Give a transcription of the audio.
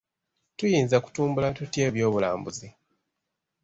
Tuyinza kutumbula tutya eby'obulambuzi?